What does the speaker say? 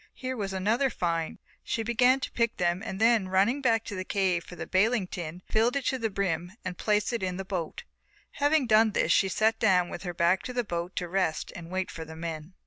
Here was another find. She began to pick them and then, running back to the cave for the baling tin, filled it to the brim, and placed it in the boat. Having done this she sat down with her back to the boat to rest and wait for the men.